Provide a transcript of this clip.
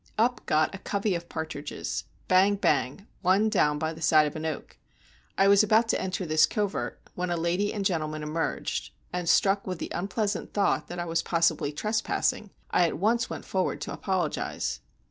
Up got a covey of partridges—bang, bang—one down by the side of an oak. I was about to enter this covert, when a lady and gentleman emerged, and, struck with the unpleasant thought that I was possibly trespassing, I at once went forward to apologize.